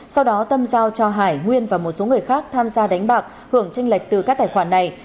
sau đó tâm giao cho hải nguyên và một số người khác tham gia đánh bạc hưởng tranh lệch từ các tài khoản này